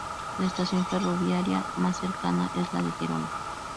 La estación ferroviaria más cercana es la de Gerona.